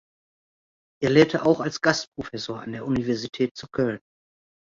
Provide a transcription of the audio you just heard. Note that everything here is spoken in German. Er lehrte auch als Gastprofessor an der Universität zu Köln.